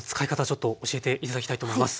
ちょっと教えて頂きたいと思います。